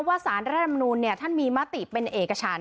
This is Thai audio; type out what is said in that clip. ว่าสารระดับมนุษย์เนี้ยท่านมีมติเป็นเอกชั้น